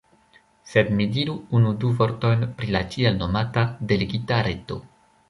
Sed mi diru unu-du vortojn pri la tiel-nomata "Delegita Reto".